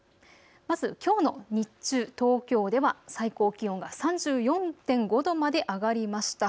まずきょうの日中、東京では最高気温が３４．５度まで上がりました。